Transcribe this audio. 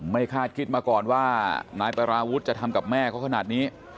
ไม่คาดกินมาก่อนว่านายปราวุธจะทำกับแม่เขา